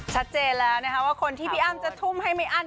ชัดเจนแล้วนะคะว่าคนที่พี่อ้ำจะทุ่มให้ไม่อั้น